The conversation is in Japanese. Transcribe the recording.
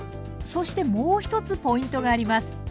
そしてもう一つポイントがあります。